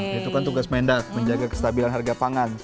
nah itu kan tugas mendat menjaga kestabilan harga pangan